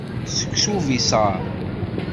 Seksu ubiṣaṛ.